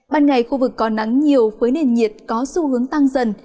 ban ngày khu vực có nắng nhiều với nền nhiệt có xu hướng tăng dần